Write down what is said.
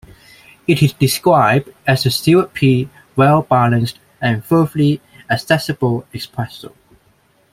It is described as a "syrupy, well-balanced and thoroughly accessible" espresso.